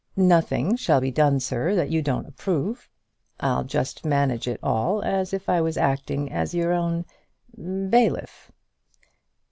"Nothing shall be done, sir, that you don't approve. I'll just manage it all as if I was acting as your own bailiff."